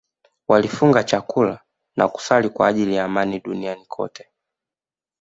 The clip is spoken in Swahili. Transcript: Walifunga chakula na kusali kwa ajili ya amani duniani kote